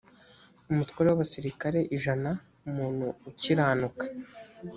umutwe w abasirikare ijana umuntu ukiranuka